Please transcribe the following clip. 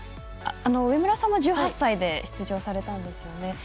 上村さんも１８歳で出場されたんですよね。